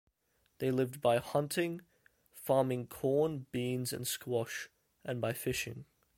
They lived by hunting, farming corn, beans, and squash, and by fishing.